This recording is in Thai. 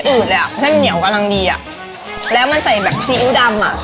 ไม่อืดเลยอ่ะเส้นเหนียวกำลังดีอ่ะแล้วมันใส่แบบซีอยู้ดำอ่ะ